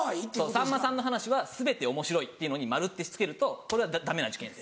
「さんまさんの話は全ておもしろい」っていうのに丸って付けるとそれはダメな受験生。